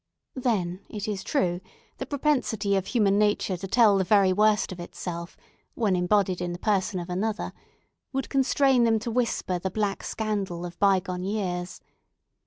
Then, it is true, the propensity of human nature to tell the very worst of itself, when embodied in the person of another, would constrain them to whisper the black scandal of bygone years.